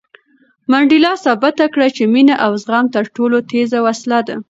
منډېلا ثابته کړه چې مینه او زغم تر ټولو تېزه وسله ده.